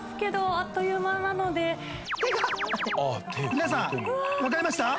皆さん分かりました？